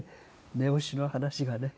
寝押しの話がね。